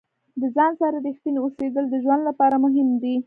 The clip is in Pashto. د ځان سره ریښتیني اوسیدل د ژوند لپاره مهم دي.